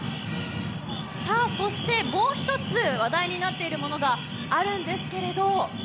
そして、もう一つ、話題になっているものがあるんですけれど。